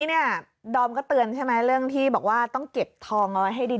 เนี่ยดอมก็เตือนใช่ไหมเรื่องที่บอกว่าต้องเก็บทองเอาไว้ให้ดี